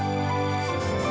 ya makasih ya